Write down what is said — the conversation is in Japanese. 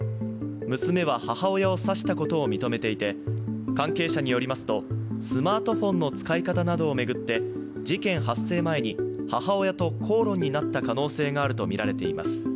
娘は母親を刺したことを認めていて、関係者によりますと、スマートフォンの使い方などを巡って事件発生前に母親と口論になった可能性があるとみられています。